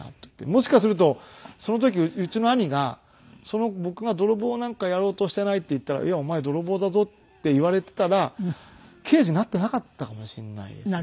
もしかするとその時うちの兄が僕が泥棒なんかやろうとしていないって言ったらいやお前泥棒だぞって言われていたら刑事なっていなかったかもしれないですね。